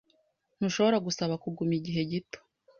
Ntushobora gusaba kuguma igihe gito?